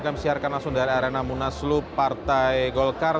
kami siarkan langsung dari arena munaslu partai golgar